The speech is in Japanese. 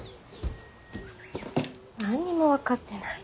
何にも分かってない。